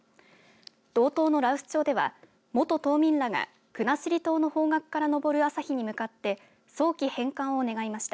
道東の羅臼町では元島民らが国後島の方角から昇る朝日に向かって早期返還を願いました。